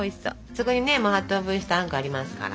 そこにねもう８等分したあんこありますから。